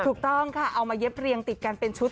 ถูกต้องค่ะเอามาเย็บเรียงติดกันเป็นชุด